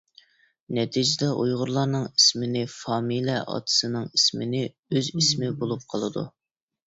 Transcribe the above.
نەتىجىدە ئۇيغۇرلارنىڭ ئىسمىنى فامىلە، ئاتىسىنىڭ ئىسمىنى ئۆز ئىسمى بولۇپ قالىدۇ.